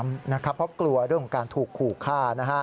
เพราะกลัวเรื่องของการถูกขู่ฆ่า